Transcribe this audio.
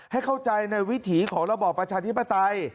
ให้เข้าใจในวิถีของระบอบประชาธิปไตย